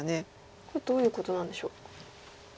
これどういうことなんでしょう。